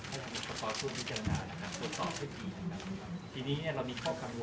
ขออนุญาตต่อต่อผู้พิจารณานะครับตรวจสอบให้ดีนะครับ